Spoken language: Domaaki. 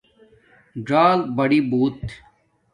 ژݴل بڑی بݸت